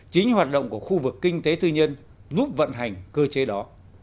chính hoạt động của khu vực kinh tế tư nhân giúp vận hành cơ chế đó